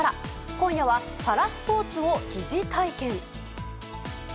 今夜はパラスポーツを疑似体験。